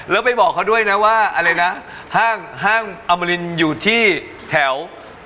แล้วไปบอกเขาด้วยนะว่าอะไรนะห้างอมรินอยู่ที่แถว